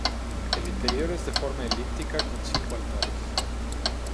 El interior es de forma elíptica con cinco altares.